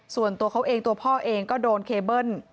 ส่วนตัวเขาเองตัวพ่อเองก็โดนเคเบิ้ล